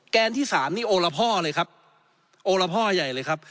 แกนที่สามนี่โอละพ่อเลยครับโอละพ่อใหญ่เลยครับ